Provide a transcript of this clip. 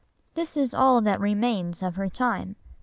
This is all that remains of her time.